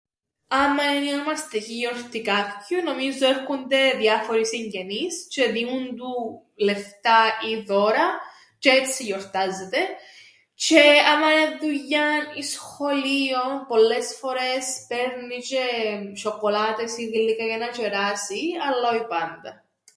Άμμαν εν' η ονομαστική γιορτή κάποιου νομίζω έρκουνται οι διάφοροι συγγενείς τζ̆αι διούν του λεφτά ή δώρα τζ̆αι έτσι γιορτάζεται. Τζ̆αι άμαν εν' δουλειάν ή σχολείον πολλές φορές παίρνει τζ̆αι σ̆οκολάτες ή γλυκά για να τζ̆εράσει, αλλά όι πάντα.